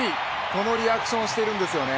このリアクションをしているんです。